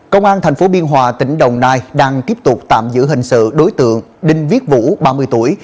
công an tp biên hòa tỉnh đồng nai đang tiếp tục tạm giữ hình sự đối tượng đinh viết vũ ba mươi tuổi